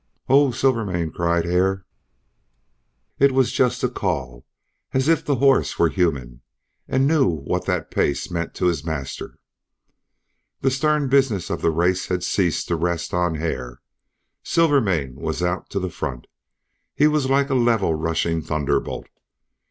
"Oh Silvermane!" cried Hare. It was just a call, as if the horse were human, and knew what that pace meant to his master. The stern business of the race had ceased to rest on Hare. Silvermane was out to the front! He was like a level rushing thunderbolt.